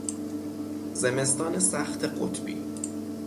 زمستان سخت قطبی